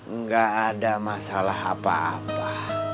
nggak ada masalah apa apa